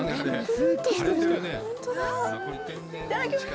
いただきます。